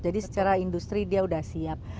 jadi secara industri dia udah siap